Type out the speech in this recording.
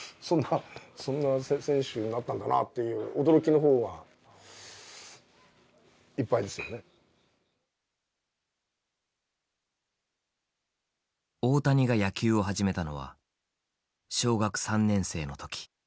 そんな選手になったんだなっていう大谷が野球を始めたのは小学３年生の時。